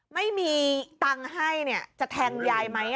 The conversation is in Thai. ไม่มีตังค์ให้จะแทงยายไหม